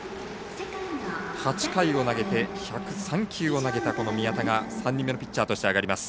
８回を投げて１０３球を投げた宮田が３人目のピッチャーとして上がります。